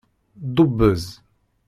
Dubbez.